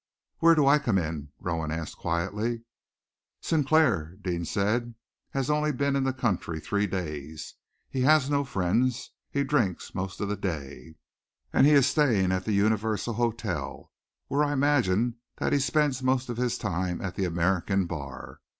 "Where do I come in?" Rowan asked quietly. "Sinclair," Deane said, "has only been in the country three days. He has no friends, he drinks most of the day, and he is staying at the Universal Hotel, where I imagine that he spends most of his time at the American bar.